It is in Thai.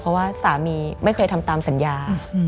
เพราะว่าสามีไม่เคยทำตามสัญญา